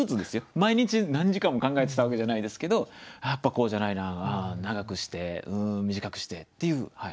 毎日何時間も考えてたわけじゃないですけどやっぱこうじゃないな長くしてうん短くしてっていう。